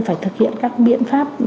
phải thực hiện các biện pháp